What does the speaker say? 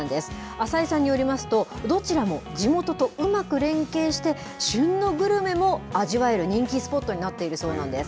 浅井さんによりますと、どちらも地元とうまく連携して、旬のグルメも味わえる人気スポットになっているそうなんです。